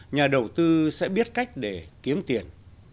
nhà đầu tư sẽ biết cách để kiếm tiền